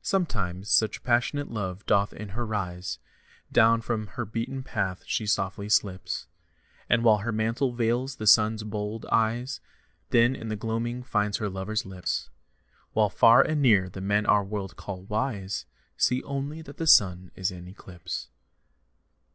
Sometimes such passionate love doth in her rise, Down from her beaten path she softly slips, And with her mantle veils the Sun's bold eyes, Then in the gloaming finds her lover's lips. While far and near the men our world call wise See only that the Sun is in eclipse.